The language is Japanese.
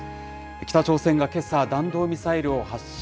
北朝鮮がけさ、弾道ミサイルを発射。